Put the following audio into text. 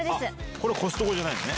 これ、コストコじゃないのね？